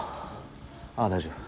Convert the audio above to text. ああ大丈夫。